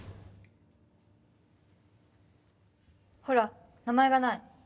ほら名前がない。